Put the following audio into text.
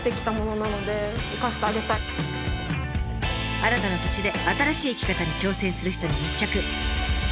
新たな土地で新しい生き方に挑戦する人に密着。